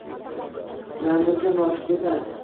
Namuncha noshukursan